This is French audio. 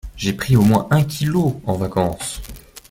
J'ai pris au moins un kilo en vacances.